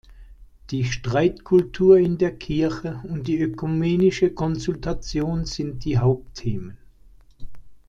Die Streitkultur in der Kirche und die Ökumenische Konsultation sind die Hauptthemen.